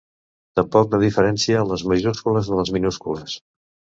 Tampoc no diferencia les majúscules de les minúscules.